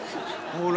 ほら。